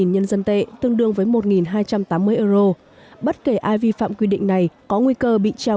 một mươi nhân dân tệ tương đương với một hai trăm tám mươi euro bất kể ai vi phạm quy định này có nguy cơ bị trao